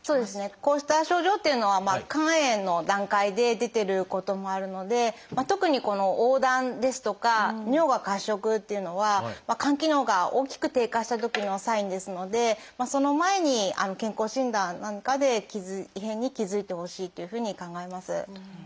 こうした症状というのは肝炎の段階で出てることもあるので特にこの黄疸ですとか尿が褐色というのは肝機能が大きく低下したときのサインですのでその前に健康診断なんかで異変に気付いてほしいというふうに考えます。